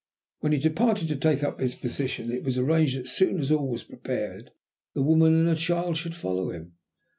When he departed to take up his position it was arranged that, as soon as all was prepared, the woman and her child should follow him.